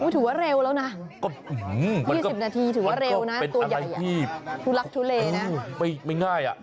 ถือว่าเร็วแล้วนะ๒๐นาทีถือว่าเร็วนะตัวใหญ่ทุรกทุเรน่ะมันก็ไม่ง่าย